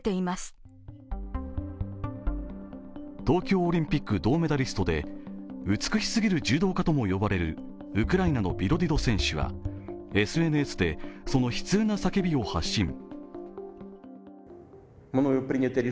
東京オリンピック銅メダリストで美しすぎる柔道家とも呼ばれるウクライナのビロディド選手はＳＮＳでその悲痛な叫びを発信。